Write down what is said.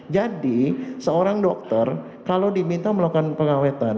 jadi seorang dokter kalau diminta melakukan pengawetan